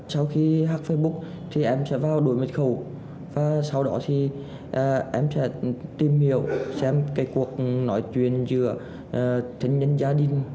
sau khi học facebook thì em sẽ vào đổi mật khẩu và sau đó thì em sẽ tìm hiểu xem cái cuộc nói chuyện giữa thân nhân gia đình